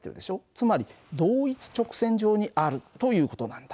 つまり同一直線上にあるという事なんだ。